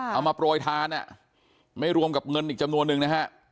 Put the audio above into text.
เอามาโปรยทานไม่รวมกับเงินอีกจำนวนนึงนะฮะ